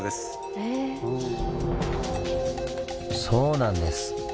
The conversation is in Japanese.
そうなんです。